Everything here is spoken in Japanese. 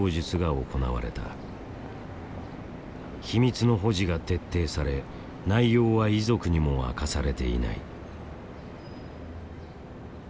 秘密の保持が徹底され内容は遺族にも明かされていない。